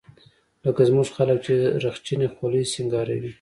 لکه زموږ خلق چې رخچينې خولۍ سينګاروي.